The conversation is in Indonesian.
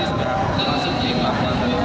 dan seadanya sudah masuk ke kapal berdarah